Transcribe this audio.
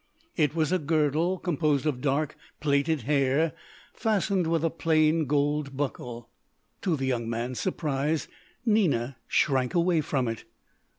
It was a girdle composed of dark, plaited hair fastened with a plain gold buckle. To the young man's surprise Nina shrank away from it.